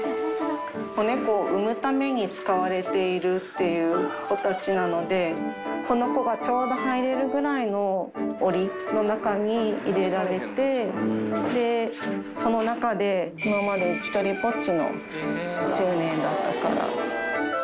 子猫を産むために使われているっていう子たちなので、この子がちょうど入れるぐらいのおりの中に入れられて、その中で今まで独りぼっちの１０年だったから。